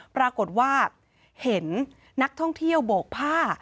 ปรากฏว่าเห็นนักท่องเที่ยวโบกผ้า